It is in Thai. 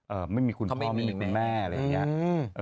เอ่อไม่มีคุณพ่อไม่มีคุณแม่อะไรอย่างเงี้ยอืม